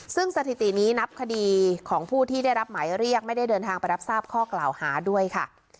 ซึ่งสถิตินี้นับคดีของผู้ที่ได้รับหมายเรียกไม่ได้เดินทางไปรับทราบข้อกล่าวหาด้วยค่ะ